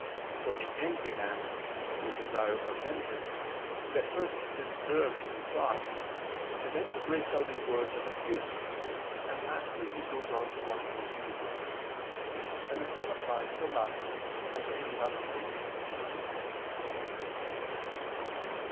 For the angry man, through desire of vengeance, is at first disturbed in thought, then he breaks out into words of abuse, and lastly he goes on to wrongful deeds; and the same applies to lust and to any other sin.